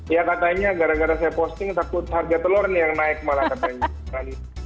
ya katanya gara gara saya posting takut harga telur nih yang naik malah katanya